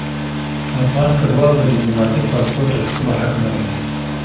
افغان کډوال د ډیپلوماټیک پاسپورټ اخیستلو حق نه لري.